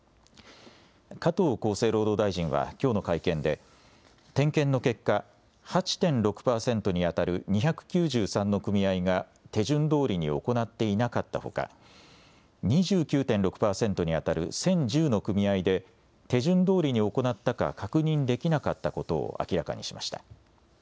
加藤厚生労働大臣は、きょうの会見で、点検の結果、８．６％に当たる２９３の組合が手順どおりに行っていなかったほか、２９．６％に当たる１０１０の組合で、手順どおりに行ったか確認できなかったことを明らかにしました。